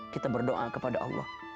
kita berdoa kepada allah